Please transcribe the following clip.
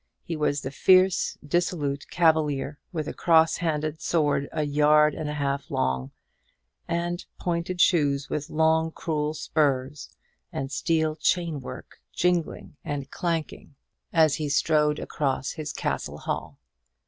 He was the fierce dissolute cavalier, with a cross handled sword a yard and a half long, and pointed shoes with long cruel spurs and steel chain work jingling and clanking as he strode across his castle hall.